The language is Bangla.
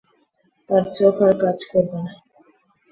তার চোখ আর কাজ করবে না।